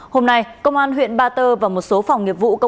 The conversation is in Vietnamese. hôm nay công an huyện ba tơ và một số phòng nghiệp vụ công